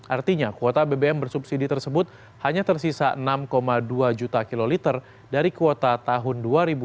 artinya kuota bbm bersubsidi tersebut hanya tersisa enam dua juta kiloliter dari kuota tahun dua ribu dua puluh